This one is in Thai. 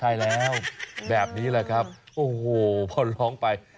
ใช่แล้วแบบนี้แหละครับโอ้โหพอร้องไป